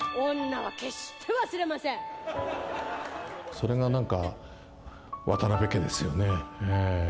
それがなんか、渡辺家ですよね。